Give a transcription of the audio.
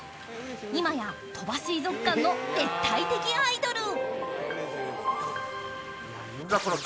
いまや鳥羽水族館の絶対的アイドル。